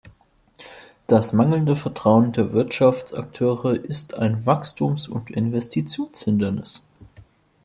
Das mangelnde Vertrauen der Wirtschaftsakteure ist ein Wachstums- und Investitionshindernis.